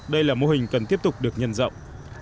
đây là mô hình cần tiếp tục được nhân rộng